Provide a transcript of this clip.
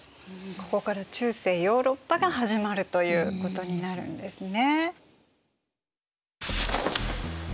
ここから中世ヨーロッパが始まるということになるんですね。